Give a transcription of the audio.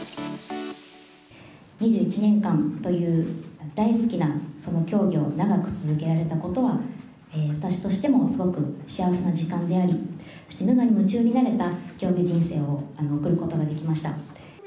２１年間という、大好きな競技を長く続けられたことは、私としてもすごく幸せな時間であり、無我夢中になれた競技人生を送ることができました。